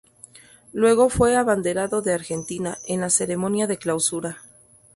Luego fue abanderado de Argentina en la ceremonia de clausura.